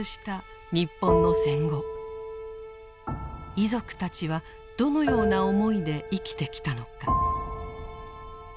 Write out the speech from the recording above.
遺族たちはどのような思いで生きてきたのか。